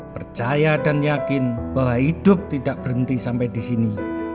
percaya dan yakin bahwa hidup tidak berhenti sampai di sini